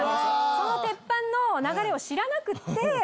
その鉄板の流れを知らなくて。